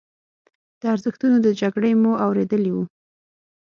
د ارزښتونو د جګړې مو اورېدلي وو.